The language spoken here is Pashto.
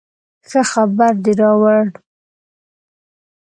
ښه خبر دې راوړ